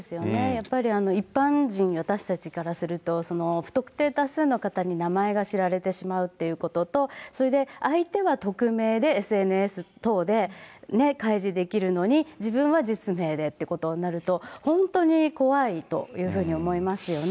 やっぱり一般人、私たちからすると、不特定多数の方に名前が知られてしまうっていうことと、それで相手は匿名でＳＮＳ等で開示できるのに、自分は実名でっていうことになると、本当に怖いというふうに思いますよね。